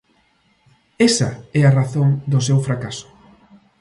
Esa é a razón do seu fracaso.